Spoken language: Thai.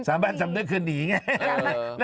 สามัญสำนึกคือหนีไง